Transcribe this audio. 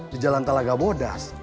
di jalan talaga bodas